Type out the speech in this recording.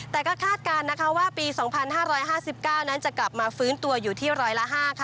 แต่ก็คาดการณ์นะคะว่าปี๒๕๕๙นั้นจะกลับมาฟื้นตัวอยู่ที่ร้อยละ๕ค่ะ